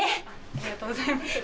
ありがとうございます。